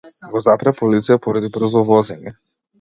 Го запре полиција поради брзо возење.